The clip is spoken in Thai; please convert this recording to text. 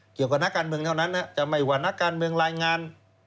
เกี่ยวกับนักการเมืองเท่านั้นจะไม่ว่านักการเมืองรายงาน